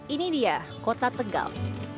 ini dia kota tegal